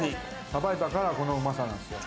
さばいたからこのうまさなんですよ。